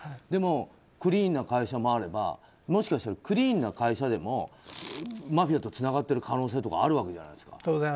でも、クリーンな会社もあればもしかしたらクリーンな会社でもマフィアとつながっている可能性もあるわけじゃないですか。